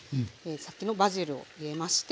さっきのバジルを入れまして。